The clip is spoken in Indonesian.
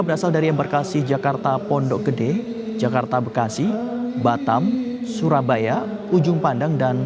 berasal dari embarkasi jakarta pondok gede jakarta bekasi batam surabaya ujung pandang dan